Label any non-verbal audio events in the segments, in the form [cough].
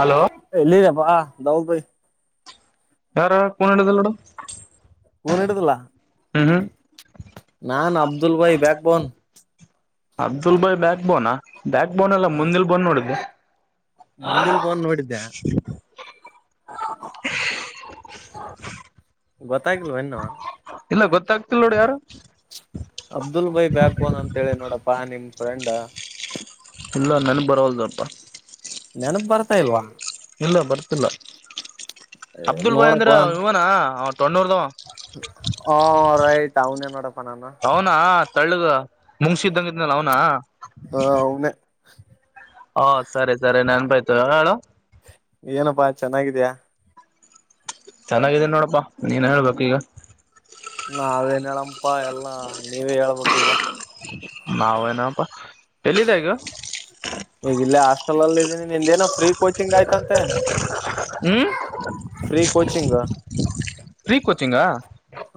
Hello ಎಲ್ಲಿದಿಯ ವಾ ದೌ ಭೈ ಯಾರ ಖುನ್ ಹಿಡಿದ್ದಿಲ್ ನೋಡ್ ಖುನ್ ಹಿಡಿದಿಲ್ಲ ನಾನ್ ಅಬ್ದುಲ್ ಭಾಯಿ ಬ್ಯಾಕ್ ಬೋನ್ ಅಬ್ದುಲ್ಬಾಯಿ ಬ್ಯಾಕ್ ಬೋನಾ ಬ್ಯಾಕ್ ಬೋನ್ ಅಲ್ಲ ಮುಂದಲ್ ಬೋನ್ ನೋಡಿದ್ದೆ ಮುಂದಿಲ್ ಬೋನ್ ನೋಡಿದ್ದೆ ಗೊತ್ತಾ ಆಗಿಲ್ವೇನು ಇಲ್ಲ ಗೊತ್ತಾಗ್ತಿಲ್ ನೋಡ ಯಾರು ಅಬ್ದುಲ್ ಭಾಯಿ ಬ್ಯಾಕ್ ಬೋನ್ ಅಂತೇಳಿ ನೋಡಪ್ಪಾ ನಿಮ್ಮ್ ಫ್ರೆಂಡ ಇಲ್ಲ ನೆನಪ ಬರುವಲ್ದಪ್ಪ ನೆನಪ ಬರ್ತಾ ಇಲ್ವಾ ಇಲ್ಲ ಬರ್ತಿಲ್ಲ ಅಬ್ದುಲ್ ಬಾಯ್ ನೋಡಪ್ಪ ಅಂದ್ರ ಇವನ ಟೊಣ್ಣೂರ್ದವ ಹ ರೈಟ್ ಅವನೆ ನೋಡಪ್ಪ ನಾನು ತಳ್ಳದೂ ನಮ್ಸು ಕೆ ಇದ್ದಂಗ್ ಇದ್ನಲ್ಲ ಅವನ ಹ ಅವನೇ ಹಾ ಸರಿ ಸರಿ ನೆನ್ಪಾಯ್ತು ಏನ್ ಹೇಳು ಏನಪ್ಪಾ ಚೆನ್ನಾಗಿದ್ಯಾ ಚೆನ್ನಾಗಿದ್ದೀನಿ ನೋಡಪ್ಪಾ ನೀನ್ ಹೇಳ್ಬೇಕು ಈಗ ನಾವೇನ್ ಹೇಳಂಪಾ ಎಲ್ಲಾ ನೀವೇ ಹೇಳ್ಬೇಕು ಈಗ ನಾವೇಏನಪ್ಪಾ ಎಲ್ಲಿದೆ ಈಗ ಈಗ ಇಲ್ಲೇ ಹಾಸ್ಟೆಲ್ಲ್ಲಿ ಇದೀನಿ ನಿಂದೇನು ಫ್ರೀ ಕೋಚಿಂಗ್ ಆಯ್ತಂತೆ ಹ್ಮ್ [unintelligible] ಫ್ರೀ ಕೋಚಿಂಗ್ ಕೋಚಿಂಗ್ ಹಾ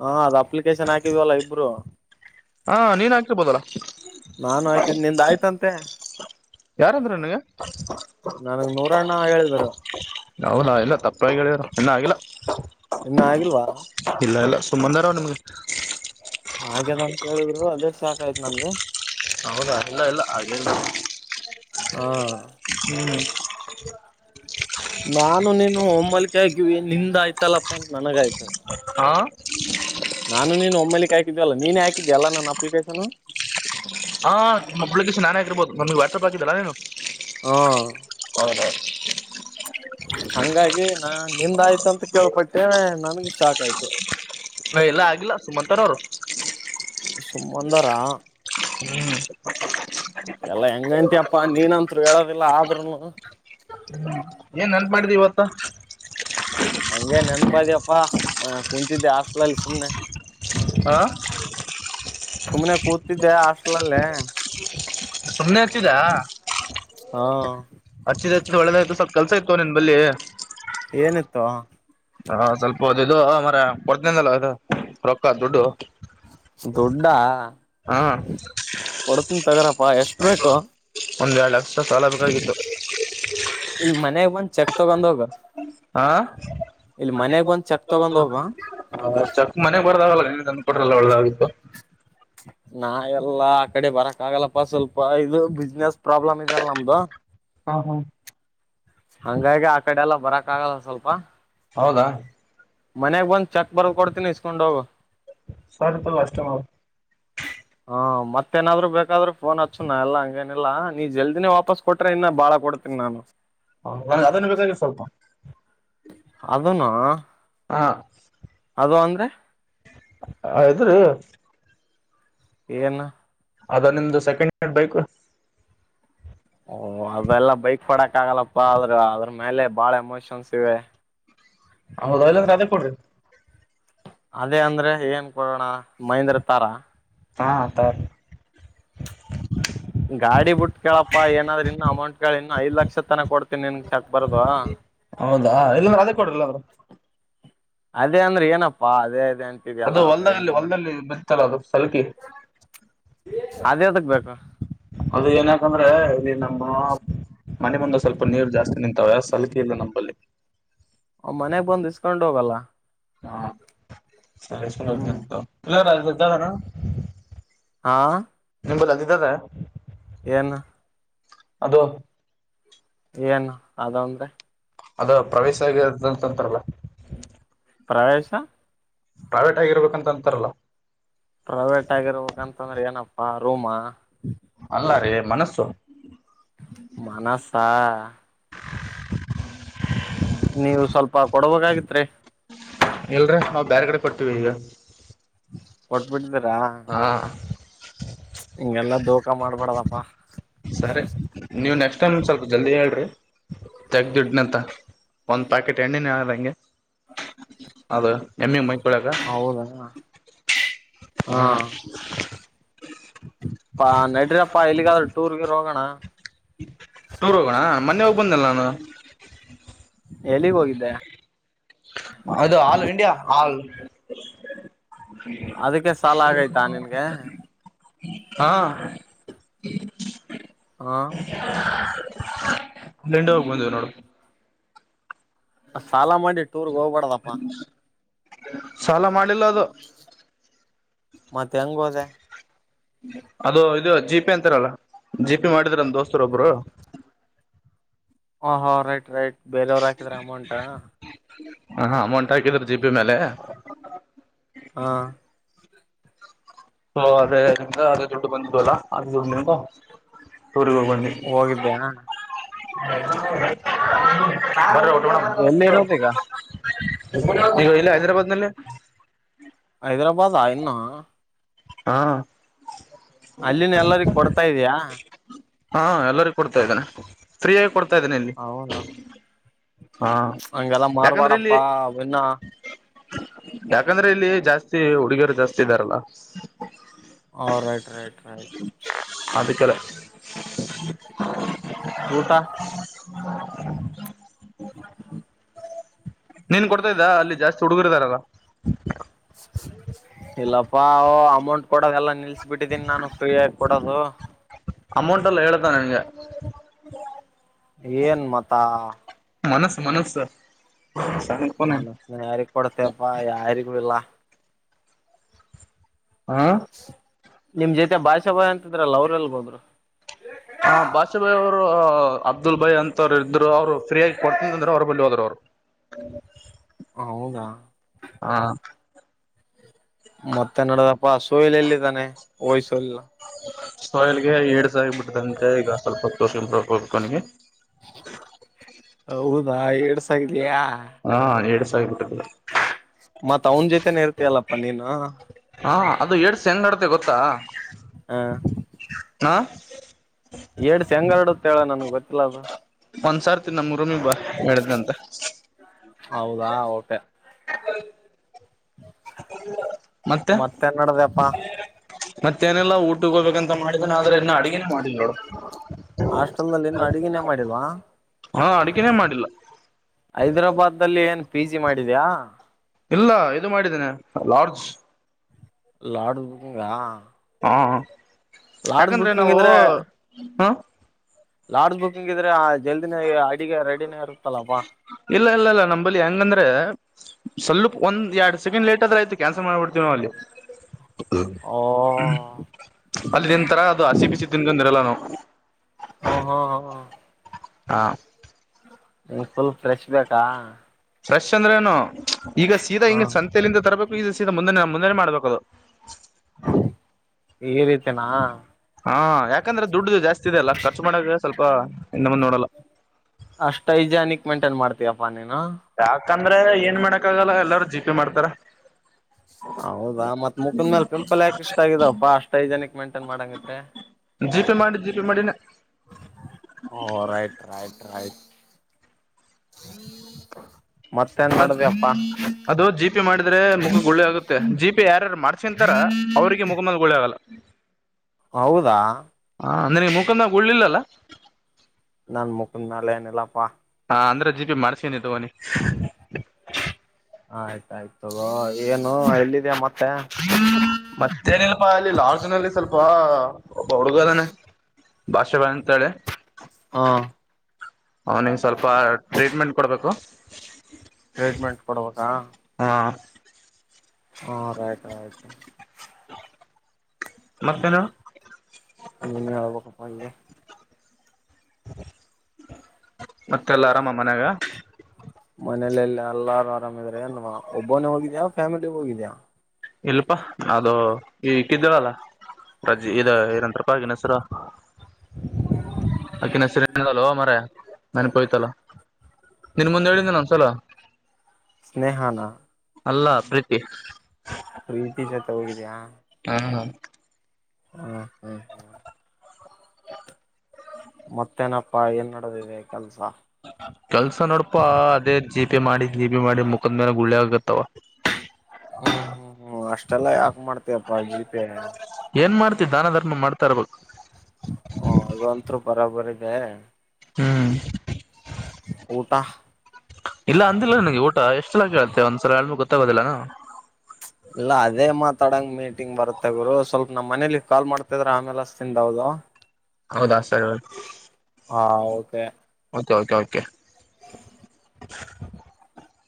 ಹಾ ಅದ ಅಪ್ಲಿಕೇಶನ್ ಹಾಕಿದವಲ್ಲ ಇಬ್ರು ಹಾ ನೀನ್ ಹಾಕಿರ್ಬೋದಲ್ಲ ನಾನು ಹಾಕಿದ್ ನಿಂದ್ [unintelligible] ಆಯ್ತಂತೆ ಯಾರಂದ್ರ ನನಗೆ ನನಗ್ ನೂರಣ್ಣ ಹೇಳಿದ್ರು ಹೌದ್ ಇಲ್ಲ ತಪ್ಪಾಗಿ ಹೇಳಿದಾರ ಇನ್ನ ಆಗಿಲ್ಲ ಇನ್ನ ಆಗಿಲ್ವಾ ಇಲ್ಲ ಇಲ್ಲ ಸುಮ್ಮಂದಾರ ನಿಮ್ಗೆ ಹಾಗೆನ ಅಂತ ಹೇಳಿದ್ರು ಅದೇ ಸಾಕ ಆಯ್ತು ನನ್ಗೆ ಹೌದ ಇಲ್ಲ ಇಲ್ಲ ಹಾಗೇನಿಲ್ಲ ಹಾ [unintelligible] ಹ್ಮ್ ನಾನು ನೀನು ಹೊಲ್ [unintelligible] ಕೆ ಆಗಿವಿ ನಿಂದ ಆಯ್ತಲ್ಲಪ್ಪಾ ಅಂತ ನನಗ ಆಯ್ತ ಹಾಂ [unintelligible] ನಾನು ನೀನು ಒಮ್ಮಳಕ್ ಹಾಕಿದಲ್ಲ ನೀನೆೇ ಹಾಕಿದ್ದಿ ಅಲ್ಲಾ ನನ್ ಅಪ್ಲಿಕೇಶನು ಹಾ ಅಪ್ಲಿಕೇಶನ್ ನಾನೇ ಆಗಿರ್ಬೋದು ನಮಗೆ ವ್ಯಾಟಪ್ ಹಾಕಿದ್ದಲ್ಲ ನೀನು ಹಾ ಹಂಗಾಗಿ ನಾ ನಿಂದಾಯ್ತಂತ ಕೇಳ್ಪಟ್ಟೇನೆ ನನ್ಗೆ ಶಾಕ್ ಆಯ್ತು ಹ ಎಲ್ಲಾ ಆಗಿಲ್ಲ ಸುಮಂನವ್ರು ಹ್ಮ್ಮ [unintelligible] ಸುಮ್ಮಂದಾರ [unintelligible] ಹ್ಮ್ [unintelligible] ಎಲ್ಲಾ ಹೆಂಗೈತೀ ಅಪ್ಪಾ ನೀನತ್ರು ಹೇಳದಿಲ್ಲ ಆದ್ರುನು [unintelligible] ಏನ್ ನೆನ್ಪ ಮಾಡಿದ್ ಇವತ್ತ ಹಂಗೆ ನನ್ [unintelligible] ದ ಅಪ್ಪ ಕುಂತಿದೆ ಹಾಸ್ಟೇಲ್ ಅಲ್ಲಿ ಸಮನೆ ಹಾ ಸುಮನೆ ಕುತ್ತಿದೆ ಆಷ್ಟ ಹಳೇ [unintelligible] ಸುಮನೆ ಅಚ್ಚಿದಾ ಹಾ ಅಚಿದ ಒಳ್ಳದಾಯ್ತು ಸ್ವಲ್ಪ ಕೆಲಸ ಇಯತ್ತು ನಿನ್ ಬಲ್ಲಿ ಏನಿತ್ತು ಹಾ ಸ್ವಲ್ಪ ಹದ ಇದು ಮರ ಕೊರ್ತನಿಂದಲ್ಲ ಇದು ರೊಕ್ಕ ದುಡ್ಡು ದುಡ್ಡ ಹಾ ಕೊಡ್ತನ್ ತಗರಪ್ಪಾ ಎಷ್ಟ್ ಬೇಕು ಒಂದೆರಡು ಅಷ್ಟ ಸಾಲ ಬೇಕಾಗಿತ್ತು ತಗೊಂಡು ಹೋಗು ಹಾ ಚೆಕ್ ತಗೊಂಡ್ ಹೋಗ [unintelligible] ರ್ ಚಕ್ ಮನೆಗ್ ಬರದಾಗಲ್ಲ ನೀ ನಂದ ಕೊಟ್ರಲ್ಲ ಒಳ್ಳದಾಗಿತ್ತು ನಾ ಎಲ್ಲಾ ಆ ಕಡೆ ಬರಕ್ ಆಗಲ್ಲಪ್ಪ ಸ್ವಲ್ಪ ಇದು ಬಿಸ್ನೆಸ್ ಪ್ರಾಬ್ಲಮ್ ಇದೆಲ್ಲ ನಮ್ದು ಹಾ ಹಾ ಹಂಗಾಗಿ ಆ ಕಡೆ ಎಲ್ಲ ಬರಕ್ ಆಗಲ್ಲ ಸ್ವಲ್ಪ ಹೌದಾ ಮನೆಗೆ ಬಂದು ಚೆಕ್ ಬರ್ತ್ ಕೊಡ್ತೀನಿ ಇಸ್ಕೊಂಡ ಹೋಗ ಸರಿಪಲ ಅಷ್ಟೇ ಮಾಡ ಹಾ ಮತ್ತೇನಾದ್ರು ಬೇಕಾದ್ರರು ಫೋನ್ ಹಚ್ಚುನ ಎಲ್ಲ ಹಂಗೇನಿಲ್ಲಾ ನೀ ಜಲ್ದಿನೇ ವಾಪಸ್ ಕೊಟ್ರೆ ಇನ್ನ ಬಾಳ ಕೊಡ್ತೀನಿ ನಾನು ಹ ನ್ [unintelligible] ಅದನ್ನು ಇರೋದು ಸ್ವಲ್ಪ ಅದನು ಹ ದೋ ಅಂದ್ರೆ ಹ ಇದ್ರೀ ಏನು ಅದ ನಿಮ್ದು ಸೆಕೆಂಡ್ ಹ್ಯಾಂಡ್ ಬೈಕ್ ಓ ಅದೆಲ್ಲ ಬೈಕ್ ಪಡಕ್ ಆಗಲ್ಲಪ್ಪ ಆದ್ರ ಅದ್ರ ಮೇಲೆ ಬಾಳ ಎಮೋಷನ್ಸ್ ಇವೆ ಅವದಲಂದ ಅದೇ ಕೊಡ್ರಿ ಅದೇ ಅಂದ್ರೆ ಏನ್ ಕೊಡೋಣ ಮಹಂದ್ರ ತಾರ ಹಾ ತ ಗಾಡಿ ಬಿಟ್ ಕೇಳಪ್ಪಾ ಏನಾದ್ರರು ಇನ್ನು ಅಮೌಂಟ್ ಕೇಳ ಇನ್ನು ಐದ ಲಕ್ಷ ತನ ಕೊಡ್ತೀನಿ ನನ್ ಚಕ್ ಬರ್ದು ಹೌದಾ ಇಲ್ಲಂದ್ರೆ ಅದೇ ಕೊಡ್ರಲ್ಲ ಅವರು ಅದೇ ಅಂದ್ರೆ ಏನಪ್ಪಾ ಅದೇ ಅದೇ ಅಂತಿದ್ಯಲ್ಲ ಅದು ಒಂದಲ್ಲಿ ಬರೇನೇನ ಒಂದಲ್ಲಿ ಬಿತ್ತಲ್ಲ ಅದು ಸಲಕಿ ಅದೇ ಅದಕ್ ಬೇಕು ಅದು ಏನಕಂದ್ರೆ ನೀನು ನಮ್ಮ ಮನೆ ಮುಂದ ಸ್ವಲ್ಪ ನೀರು ಜಾಸ್ತಿ ನಿಂತಾವೆ ಸಲಕೆ ಇಲ್ಲ ನಂಬಲ್ಲಿ ಅವ್ ಮನೆಗ್ ಬಂದು ಇಸ್ಕೊಂಡ್ ಹೋಗಲ್ಲ ಹಾ ಸರಿ ಇಸ್ಕೊಂಡು ಹ್ಮ್ ಹೋಗ್ತೀನಿ ತಗೋ ಒಳ್ಳೆದಾಗ್ಬೇಕ್ ಇದರಣ ಹಾ ನಿಮ ಅಂದಿದ್ದದ ಏನು ಅದು ಏನು ಅದಂದ್ರೆ ಅದ ಪ್ರವೇಶ ಆಗಿದಂತಂತಲ್ಲ ಪ್ರವೇಶ ಪ್ರೈವೇಟ್ ಆಗಿರ್ಬೇಕಂತ ಅಂತಾರಲ್ಲ ಪ್ರೈವೇಟ್ ಆಗಿರ್ಬೇಕಂತಂದ್ರೆ ಏನಪ್ಪಾ ರೂಮ ಅಲ್ಲ ರೀ ಮನಸ್ಸು ಮಾನಸ್ ಹಾ ನೀವು ಸ್ವಲ್ಪ ಕೊಡಬಾಗಿತ್ರಿ ಇಲ್ರ ನಾವು ಬೇರೆ ಕಡೆ ಕೊಡ್ತೀವಿ ಇಗ ಹೊಟ್ಬಿಟ್ಟತಾರಾ ಹೀಗೆಲ್ಲ ದೋಖಾ ಮಾಡ್ಬಡ್ದಪ್ಪಾ ಸರಿ ತೆಗ ದುಡ್ನಂತ ಒಂದ್ ಪ್ಯಾಕೆಟ್ ಎಣ್ಣೆನ ಹ ಗೆ ಅದ ಎಮ್ಮಿ ಮೈಕೊಳಕ ಹೌದಾ ಹ ಅಪ್ಪಾ ನಡರಪ್ಪಾ ಯಲ್ಲಿಗಾದ್ರೂ ಟೂರ್ ಗಿರ್ ಹೋಗೋಣ ಟೂರ್ ಹೋಗೋಣ ಮೊನ್ನೆ ಹೋಗ್ ಬಂದಲ್ಲ ನಾನು ಹ್ಮ ಎಲ್ಲಿಗ್ ಹೋಗಿದ್ದೆ ಅದು ಹಾಲು ಇಂಡಿಯಾ ಹಾಲು [unintelligible] [unintelligible] ಅದಕ್ಕೆ ಸಾಲ ಆಗೈತಾ ನಿನ್ಗೆ ಹಾ ಹ [unintelligible] [unintelligible] ಹೋಗಿ ಬಂದವು ನೋಡು ಸಾಲ ಮಾಡ ಸಾಲ ಮಾಡಿಲ್ಲ ಅದು ಮತ್ತೆ ಹೆಂಗ್ ಹೋದೆ ಅದು ಇದು ಜಿಪೆ ಅಂತಾರಲ್ಲ ಜಿಪೆ ಮಾಡಿದ್ರ ನಮ್ಮ ದೋಸ್ತರ ಒಬ್ರು ಹ ಹಾ ರೈಟ್ ರೈಟ್ ಬೇರೆಯವರು ಹಾಕಿದ್ರ ಅಮೌಂಟಾ ಹ ಹಾ ಅಮೌಂಟ್ ಹಾಕಿದರು ಜಿಬಿ ಮೇಲೆ ಹಾ [unintelligible] ಹ ಅದೇ ನಿ ಅದೇ ದುಡ್ಡು ಬಂದಿದ್ದು ಅಲ್ಲ ಅದುಡ್ ನಿಮಗು ಊರ್ಗೆ ಹೋಗೊಂಡಿ [inaudible] ಹೋಗಿದ್ದ್ಯಾ ಬ್ರೋಣ ಎಲ್ಲಿ ಇರೋದ ಈಗ ಈಗ ಇಲ್ಲ ಹೈದ್ರಾಬಾದ್ ನಲ್ಲಿ ಹೈದರಾಬಾದಾ ಇನ್ನು ಹಾ ಅಲ್ಲಿನ ಎಲ್ಲರಿ ಕೊಡ್ತಾ ಇದಯಾ ಹಾ ಎಲ್ಲರಿಗೊ ಕೊಡ್ತಾ ಇದೇನೆ ಸ್ತ್ರೀಯಾಗ ಕೊಡ್ತ ಗತ್ತದನಲ್ಲಿ ಅಂಗಲ್ಲಾ ಮಾರ್ಬೇಡಪ್ಪ ಯಾಕಂದ್ರೆ ಇಲ್ಲಿ ಜಾಸ್ತಿ ಹುಡುಗಿಯರು ಜಾಸ್ತಿ ಇದ್ದಾರಲ್ಲ [unintelligible] ಹ ರೈಟ್ ರೈಟ್ ರೈಟ್ ಅದಕ್ಕೆಲ್ಲ ಊಟ [unintelligible] [unintelligible] ನೀನ್ ಕೊಡ್ತಾ ಇದ್ದ ಅಲ್ಲಿ ಜಾಸ್ತಿ ಹುಡುಗರ್ ಇದಾರಲ್ಲ ಇಲ್ಲಪ್ಪಾ ಅಮ ಕೊಡದ್ ಎಲ್ಲ ನಿಲ್ಸಿಬಿಟ್ಟಿದೀನಿ ನಾನು ಫ್ರೀ ಆಗಿ ಕೊಡದು. ಅಮೌಂಟ್ ಅಲ್ಲ ಹೇಳ್. ಏನ್ ಮಾತ. ಮನಸ್ ಮನಸ್ಸ್. ಮನಸನ [unintelligible] ಯಾರಿಗ್ ಕೊಡ್ತಿಯಪ್ಪ ಯಾರಿಗೂ ಇಿಲ್ಲ. ಹಾ ನಿಮ್ ಜೊತೆ ಭಾಷ ಬ ಇದ್ರಲ್ಲ ಅವ್ರ ಎಲ್ಲಿಗ್ ಹೋದ್ರು. ಹ ಬಾಷಾ ಭಾಯ್ ಅವರು ಅಬ್ದುಲ್ ಭಾಯ್ ಅಂತವ್ರು ಇದ್ರು ಅವ್ರು ಫ್ರೀ ಆಗಿ ಕೊಡ್ತಂತಂದ್ರೆ ಅವ್ರ ಬಳಿ ಹೋದ್ರು ಅವ್ರು ಹೌದಾ. ಹಾ. ಮತ್ತೆ ನೋಡದಪ್ಪಾ ಸೋಯಲ್ ಎಲ್ಲಿದ್ದಾನೆ ಓಯ್ ಸೋಹಿಲ್ ಸೋಯಲ್ಗೆ ಏಡ್ಸ್ ಆಗಿಬಿಟ್ಟದಂತೆ ಈಗ ಸ್ವಲ್ಪ ತೋರ್ಸ ಹೋಗ್ಬೇಕನಿಗೆ ಹೌದಾ ಯಾ ಹಾ [unintelligible] ಮತ್ತ ಅವನ್ ಜೊತನೆ ಇರ್ತಯಲ್ಲಪ್ಪ ನೀನು ಹಾ ಅದು ಏಡ್ಸ್ ಹೆಂಗ್ ಆಡ್ತೆ ಗೊತ್ತಾ ಹಾ ಹಾ ಏಡ್ಸ್ ಹೆಂಗ್ ಹರಡು ತೆಳೆ ನನಗೆ ಗೊ ಒಂದು ಸರ್ಥಿ ನಮ್ ರೂಮಿಗೆ [unintelligible] ಹೇಳಿದ್ನಂತೆ ಹೌದಾ ಓಕೆ ಮತ್ತೆ ಮತ್ತೇನ್ ನಡ್ದಪ್ಪಾ ಮತ್ತೆ ಏನಿಲ್ಲ ಊಟಕ್ಕೆ ಹೋಗ್ಬೇಕಂ ಹಾಸ್ಟೆಲ್ ನಲ್ಲಿ ಇನ್ನು ಅಡುಗಿನೇ ಮಾಡಿಲ್ವಾ ಹಾ ಅಡಗೆನೇ ಮಾಡಿಲ್ಲ ಹೈದರಾಬಾದಿನಲ್ಲಿ ಏನ್ ಪಿ ಜಿ ಮಾಡಿದ್ಯಾ ಇಲ್ಲ ಇದು ಮಾಡಿದ್ದೇನೆ ಲಾಡ್ಜ್ ಲಾಡುಂಗ ಹಾಂ ಯಾಕಂದ್ರೆ ಬುಕಿಂಗ್ ನಾವು ಇದ್ರೆ ಹ ಲಾಡ್ಜ್ ಬುಕಿಂಗ್ ಇದ್ರೆ [unintelligible] ಜಲ್ದಿನೇ ಅಡಿಗೆ ರೆಡಿನೇ ಇರುತ್ತಲ್ಲಪ್ಪಾ ಸಲ್ಲು ಒಂದೆಡು ಸೆಕಂಡ್ ಲೇಟ್ ಆದ್ರೆ ಆಯ್ತು ಕ್ಯಾನ್ಸಲ್ ಮಾಡಿಬಿಡ್ತೀನೋ ಅಲ್ಲಿ ಹ್ಮ ಓ ಅಲ್ಲಿ ನಿನ್ ತರ ಅದು ಹಸಿ ಬಿಸಿ ತಿನ್ಕೊಂದ್ರು ಎಲ್ಲಾರು ಹ್ಮ ಹ್ಮ ಹ್ಮ್ಮ ಹಾ ನಿಂಗ್ ಫುಲ್ ಫ್ರೆಶ್ ಬೇಕಾ ಫ್ರೆಶ್ ಅಂದ್ರೇನು ಈಗ ಸೀದಾ ಹಾ ಹಿಂಗ ಸಂತೆಯಲ್ಲಿಂದತರ ಬೇಕು ಈಗ ಸೀದಾ ಮುಂದೆ ಮುಂದೆನೆ ಮಾಡ್ಬೇಕದು ಈ ರೀತಿನಾ ಹಾ ಯಾಕಂದ್ರೆ ದುಡ್ಡ ಜಾಸ್ತಿ ಇದೆ ಅಲ್ಲ ಖರ್ಚು ಮಾಡಾಗ ಸ್ವಲ್ಪ ಇನ್ನ ಹಿಂದ ಮುಂದ್ ನೋಡಲ್ಲ ಅಷ್ಟ್ ಐಜಾನಿಕ್ ಮೈನ್ಟೈನ್ ಮಾಡ್ತೀಯಪ್ಪಾ ನೀ ಯಾಕಂದ್ರೆ ಏನ್ ಮಾಡಕ್ ಆಗಲ್ಲ ಎಲ್ಲಾರ ಜಿ ಜೀಬ್ ಮಾಡ್ತಾರ ಹೌದಾ ಮತ್ ಮುಖದ ಮೇಲೆ ಪಿಂಪಲ್ ಯಾಕ ಇಷ್ಟ ಆಗಿದವಪ್ಪಾ ಅಷ್ಟ್ ಹೈಜೆನ್ಕ್ ಮೇಂಟೇನ್ ಮಾಡಂಗಿದ್ರೆ ಜಿ ಪೇ ಮಾಡಿ ಜಿ ಪೇ ಮಾಡಿನ ಓ ರೈಟ್ ರೈಟ್ ರೈಟ್ [unintelligible] ಮತ್ ಮಾಡ್ದಪ್ಪಾ ಅದು ಜಿ ಪಿ ಮಾಡಿದ್ರೆ ಮುಖ ಗುಳಿ ಆಗುತ್ತೆ ಜಿ ಪಿ ಯಾರ್ಯಾರು ಮಾಡಿಸಂತರ ಅವ್ರಿಗೆ ಮುಖದ ಮೇಲೆ ಗುಳ್ಳಿ ಆಗಲ್ಲ ಹೌದಾ ಹಾ ನಿನಗೆ ಮುಖದ ಮೇಲೆ ಗುಳ್ಳಿ ಇಲ್ಲಲ್ಲ ನನ್ ಮುಖದ ಮೇಲೆ ಏನಿಲ್ಲಪ್ಪ ಹ ಅಂದ್ರೆ ಜಿ ಪಿ ಮಾಡ್ಸೇನಿ ತಗೋಿ ಹ ಆಯ್ತಾಯಯ್ತದ ಏನು ಎಲ್ಲಿದೆ ಮತ್ತ ಮತ್ತೇನಲ್ಪಾ ಅಲ್ಲಿ ಲಾಲ್ಜನಲ್ಲಿ ಸ್ವಲ್ಪ ಹುಡುಗರನ್ನ ಅಂತೇಳಿ ಹಾ ಅವನಿಗೆ ಸ್ವಲ್ಪ ಟ್ರೀಟ್ಮೆಂಟ್ ಕೊಡ್ಬೇಕು ಹ ಟ್ರೀಟ್ಮೆಂಟ್ ಕೊಡ್ಬೇಕಾ ಹಾ ಹಾ ರೈಟ್ ರೈಟ್ ಮತ್ತೇನು ಹೇಳು ನೀನೆ ಹೇಳಬೇಕಪ್ಪ ಮತ್ತೆಲ್ಲ ಆರಾಮ ಮನ್ಯಾಗ ಮನಲೆಲ್ಲ ಎಲ್ಲಾರು ಆರಾಮ್ ಇದರ್ ಒಬ್ಬನ ಹೋಗಿದ್ಯಾ ಫ್ಯಾಮಿಲಿ ಒಬ್ನೆ ಹೋಗಿದ್ದೀಯಾ ಇಲ್ಪಾ ಅದು ಈ ಇಕಿ ಇದ್ದಳಲ್ಲ ರಜೆ ಇದ ಏನಂತಪ್ಪಾ ಈ ಕಿನ ಹೆಸರು ಅಕಿನ ಹೆಸರು ಏನು ಆದಲು ಮಾರಾಯ ನೆನಪೊಯ್ತಲ್ಲ ನಿನ್ ಮುಂದೆ ಹೇಳಿಲ್ಲ ಒಂದು ಸಲ ಸ್ನೇಹಾನ ಅಲ್ಲ ಪ್ರೀತಿ ಪ್ರೀತಿ ಜೊತೆ ಹ್ಮ ಹ ಹ್ಮ ಹಾ ಹ್ಮ ಮತ್ತೇನಪ್ಪಾ ಏನ್ಡದಿದೆ ಕೆಲ್ಸ ಕೆಲ್ಸ ನೋಡಪ್ಪ ಅದೇ ಜಿ ಪೆ ಮಾಡಿ ಜಿ ಪಿ ಮಾಡಿ ಮುಕ್ ಮುಖದ ಮೇಲೆ ಗುಳ್ಳೆ ಆಗತ್ತವ ಹ್ಮ್ ಹ್ಮ್ ಹ್ಮ್ ಅಷ್ಟೆಲ್ಲ ಮಾಡ್ತೇವಪ್ಪಾ ಜೀಪೆ ಏನ್ ಮಾಡ್ತಿ ದಾನ ಧರ್ಮ ಮಾಡ್ತಾ ಇರ್ಬೇಕು ಹ ಅದು ಒಂತೂ ಬರಬರಿ ಇದೆ ಹ್ಮ್ ಊಟ ಇಲ್ಲ ಅಂದಿಲ್ಲ ನನಗೆ ಊಟ ಎಷ್ಟ ಎಲ್ಲ ಕೇಳತ್ತೆ ಒಂದ್ಸಲ ಹೇಳಳ್್ಮ ಗೊತ್ತಾಗೋದಿಲ್ಲಾನ ಇಲ್ಲ ಅದೇ ಮಾತಾಡಂಗ ಮೀಟಿಂಗ್ ಬರುತ್ತೆ ಗುರು ಸ್ವಲ್ಪ ನಮ್ಮ್ನೇಲಿ ಕಾಲ್ ಮಾಡ್ತಿದ್ರ ಆಮೇಲೆ ತಿಂದೌದು ಹೌದ ಆ ಸರಿ ಹಾ ಓಕೆ ಕೆ ಓಕೆ